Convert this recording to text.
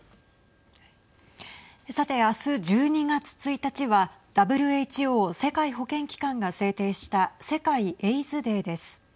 さて、明日１２月１日はＷＨＯ＝世界保健機関が制定した世界エイズデーです。